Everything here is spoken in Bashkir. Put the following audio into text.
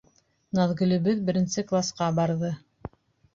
Наҙгөлөбөҙ беренсе класҡа барҙы.